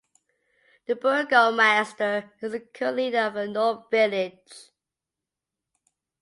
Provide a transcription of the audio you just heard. The burgomaster is the current leader of the gnome village.